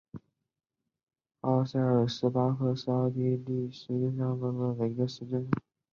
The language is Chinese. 奥埃尔斯巴赫是奥地利施蒂利亚州费尔德巴赫县的一个市镇。